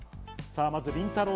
まずりんたろー。